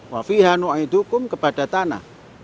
wafihanu aizukum kepada tanah